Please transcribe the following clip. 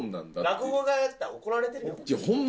落語家やったら怒られてるやろこれ。